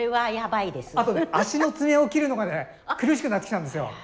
あとね足の爪を切るのがね苦しくなってきたんですよ。